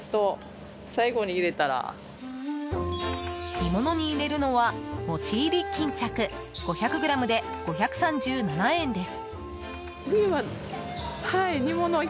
煮物に入れるのは、餅入り巾着５００ｇで５３７円です。